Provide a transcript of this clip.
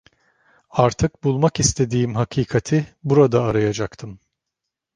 Artık bulmak istediğim hakikati burada arayacaktım: